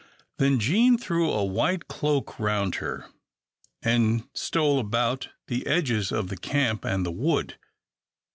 Then Jean threw a white cloak round her, and stole about the edges of the camp and the wood.